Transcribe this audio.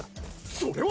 それは！？